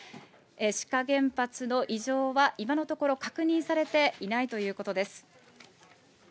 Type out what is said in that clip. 志賀原発の異常は今のところ確認されていないということです。